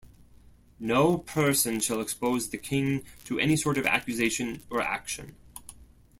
No person shall expose the King to any sort of accusation or action.